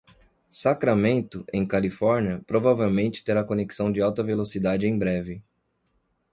Sacramento, em Calafornia, provavelmente terá conexão de alta velocidade em breve.